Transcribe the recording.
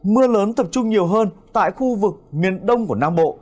mưa lớn tập trung nhiều hơn tại khu vực miền đông của nam bộ